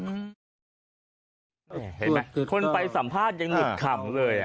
เห็นไหมคนไปสัมภาษณ์ยังหลุดขำเลย